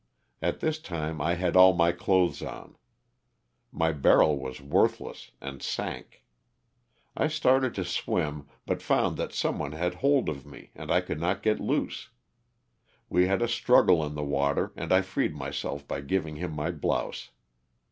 At this time I had all my clothes on. My barrel was worthless and sank. I started to swim but found that some one had hold of me and I could not get loose. We had a struggle in the water and I freed myself by giving him my blouse.